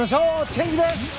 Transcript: チェンジです。